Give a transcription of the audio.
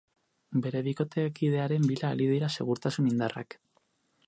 Bere bikotekidearen bila ari dira segurtasun indarrak.